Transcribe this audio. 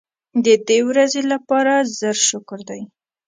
د دې ورځې لپاره زر شکر دی.